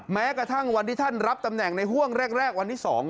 แม้กระทั่งวันที่ท่านรับตำแหน่งในห่วงแรกวันที่๒